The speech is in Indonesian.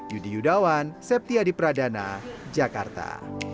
yudi yudawan septiadi pradana jakarta